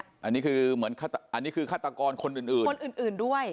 อันนี้คือฆาตกรคนอื่นด้วย